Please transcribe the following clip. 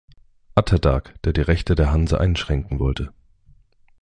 Atterdag, der die Rechte der Hanse einschränken wollte.